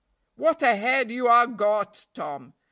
"What a head you ha' got, Tom!